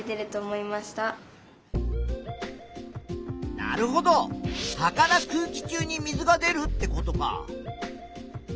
なるほど葉から空気中に水が出るってことか。